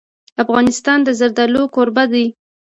افغانستان د زردالو کوربه دی.